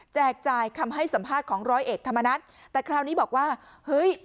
จ่ายคำให้สัมภาษณ์ของร้อยเอกธรรมนัฐแต่คราวนี้บอกว่าเฮ้ย